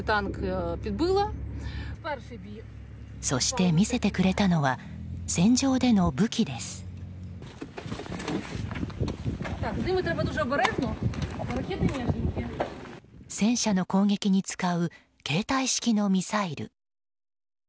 そして見せてくれたのは戦場での武器です。